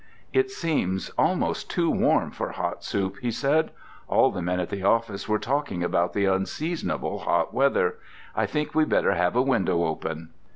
"It seems almost too warm for hot soup," he said. "All the men at the office were talking about the unseasonable hot weather. I think we'd better have a window open."